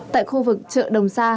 tại khu vực chợ đồng sa